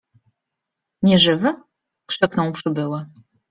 - Nieżywy? - krzyknął przybyły.